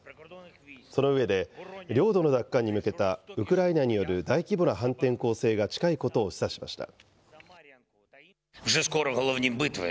その上で、領土の奪還に向けたウクライナによる大規模な反転攻勢が近いことを示唆しました。